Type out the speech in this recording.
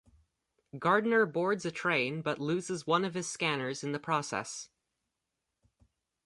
Gardner boards a train but loses one of his scanners in the process.